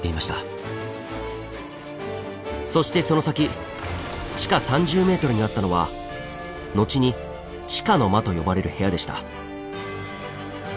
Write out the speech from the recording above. そしてその先地下３０ｍにあったのは後に「地下の間」と呼ばれる部屋でした。